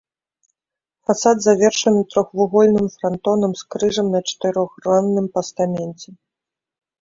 Фасад завершаны трохвугольным франтонам з крыжам на чатырохгранным пастаменце.